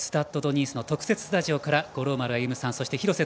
改めてスタッド・ド・ニースの特設スタジオから五郎丸歩さん